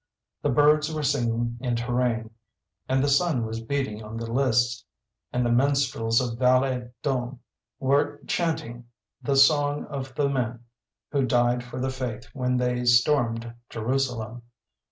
The birds were singing in Touraine, and the sun was beating on the lists; and the minstrels of Val es Dunes were chanting the song of the men who died for the Faith when they stormed Jerusalem.